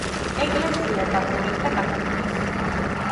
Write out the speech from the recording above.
ეკლესია დახურეს და გაქურდეს.